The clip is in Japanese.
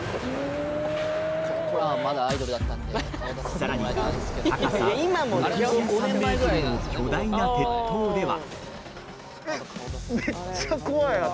さらに、高さ６３ｍの巨大な鉄塔では。